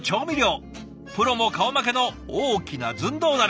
プロも顔負けの大きなずんどう鍋。